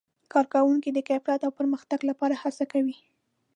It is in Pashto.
کارکوونکي د کیفیت او پرمختګ لپاره هڅه کوي.